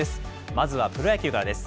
まずはプロ野球からです。